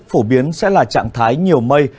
phổ biến sẽ là trạng thái nhiều mây